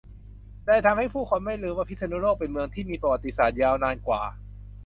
เลยทำให้ผู้คนไม่ลืมว่าพิษณุโลกเป็นเมืองที่มีประวัติศาสตร์ยาวนานกว่า